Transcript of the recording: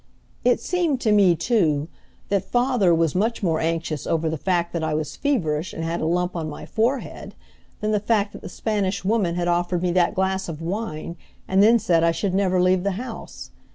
It seemed to me, too, that father was much more anxious over the fact that I was feverish and had a lump on my forehead, than the fact that the Spanish Woman had offered me that glass of wine, and then said I should never leave the house.